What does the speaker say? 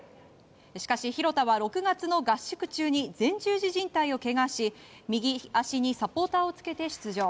しかし廣田は６月の合宿中に前十字じん帯をけがし右足にサポーターをつけて出場。